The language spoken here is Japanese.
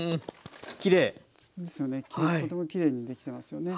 とてもきれいにできてますよね。